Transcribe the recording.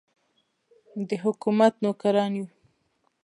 د حکومت نوکران یو.